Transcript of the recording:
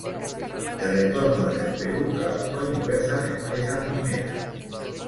De retorno en el Perú, trabajó en diversas empresas mineras.